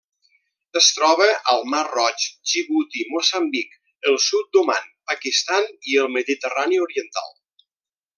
Es troba al Mar Roig, Djibouti, Moçambic, el sud d'Oman, Pakistan i el Mediterrani oriental.